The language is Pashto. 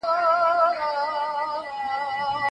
ایا مسلکي بڼوال کاغذي بادام ساتي؟